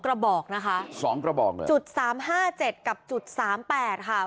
กระบอกนะคะสองกระบอกเลยจุดสามห้าเจ็ดกับจุดสามแปดค่ะ